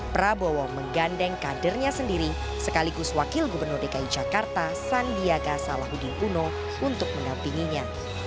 prabowo menggandeng kadernya sendiri sekaligus wakil gubernur dki jakarta sandiaga salahuddin uno untuk mendampinginya